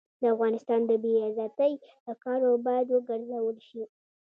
د افغانستان د بې عزتۍ له کارو باید وګرزول شي.